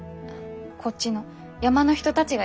こっちの山の人たちが言ってた。